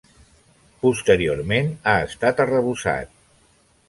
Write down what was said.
Posteriorment ha estat arrebossat.